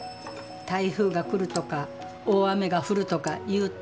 台風が来るとか大雨が降るとかいうと